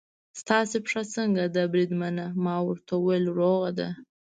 ستاسې پښه څنګه ده بریدمنه؟ ما ورته وویل: روغه ده.